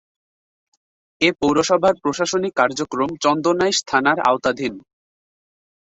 এ পৌরসভার প্রশাসনিক কার্যক্রম চন্দনাইশ থানার আওতাধীন।